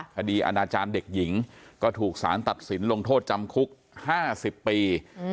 อาณาจารย์เด็กหญิงก็ถูกสารตัดสินลงโทษจำคุก๕๐ปี